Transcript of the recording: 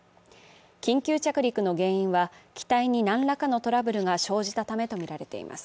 緊急着陸の原因は機体に何らかのトラブルが生じたためとみられています。